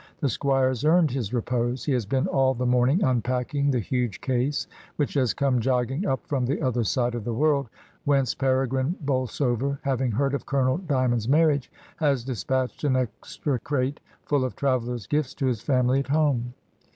The squire has earned his repose. He has been all the morning unpacking the huge case which has qome jogging up from the other side of the world, whence Peregrine Bolsover, having heard of Colonel D3rmond's marriage, has despatched an extra crate full of traveller's gifts to his family at home.